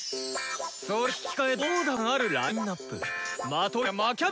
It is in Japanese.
それに引き換えどうだこの高級感あるラインナップ！